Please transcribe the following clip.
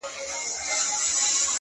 ژوند در ډالۍ دى تاته؛